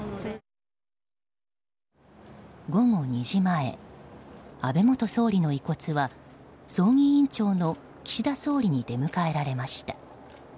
午後２時前安倍元総理の遺骨は葬儀委員長の岸田総理に出迎えられました。